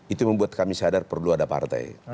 itu membuat kami sadar perlu ada partai